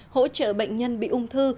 hỗ trợ bệnh nhân bị ung thư